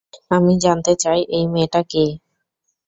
আমি জানতে চাই, এই মেয়েটা কে?